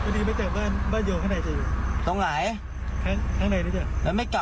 เดี๋ยวเป็นคนธรรมดา